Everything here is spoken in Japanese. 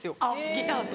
ギターと。